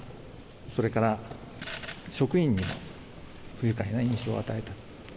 それから、職員に不愉快な印象を与えた。